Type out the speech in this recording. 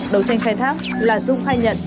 đấu tranh khai thác là dung hai nhận